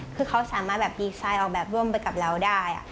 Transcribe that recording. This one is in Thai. คือเขาสามารถแบบดีไซน์ออกแบบร่วมไปกับเราได้